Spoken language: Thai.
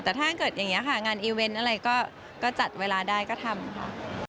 แต่ถ้าเกิดอย่างนี้ค่ะงานอีเวนต์อะไรก็จัดเวลาได้ก็ทำค่ะ